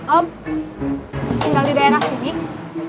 om tinggal di daerah sini